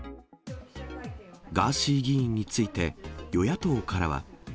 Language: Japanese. ガーシー議員について、与野党からは。